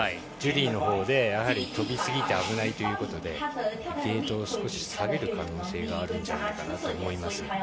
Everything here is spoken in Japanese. ジュリーのほうで飛びすぎて危ないということでゲートを少し下げる可能性があるのではないかと思います。